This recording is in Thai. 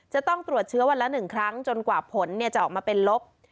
จะต้องตรวจเชื้อวันละ๑ครั้งจนกว่าผลจะออกมาเป็นลบ